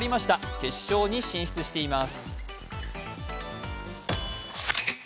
決勝に進出しています。